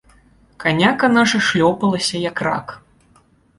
Каняка наша шлёпалася, як рак.